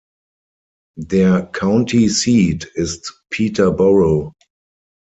Der County Seat ist Peterborough.